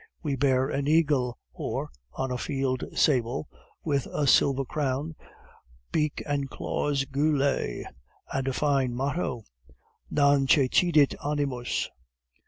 We bear an eagle or, on a field sable, with a silver crown, beak and claws gules, and a fine motto: NON CECIDIT ANIMUS.